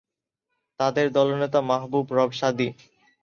তাদের দলনেতা মাহবুব রব সাদী।